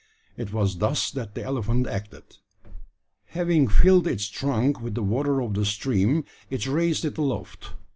It was thus that the elephant acted: Having filled its trunk with the water of the stream, it raised it aloft.